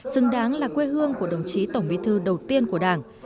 xứng đáng là quê hương của đồng chí tổng bí thư đầu tiên của đảng